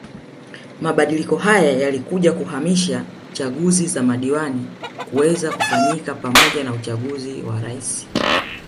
Mabadiliko haya yalikuja kuhamisha chaguzi za madiwani kuweza kufanyika pamoja na uchaguzi wa Rais